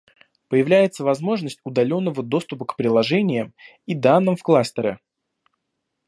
Появляется возможность удаленного доступа к приложениям и данным в кластере